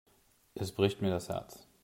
Es bricht mir das Herz.